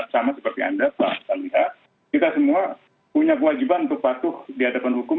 sama seperti anda pak kita lihat kita semua punya kewajiban untuk patuh di hadapan hukum